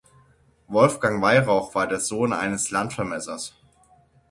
Wolfgang Weyrauch war der Sohn eines Landvermessers.